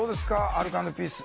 アルコ＆ピース。